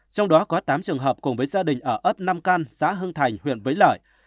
trong đó có tám trường hợp cùng với gia đình ở ấp nam can xã hưng thành huyện vĩnh lợi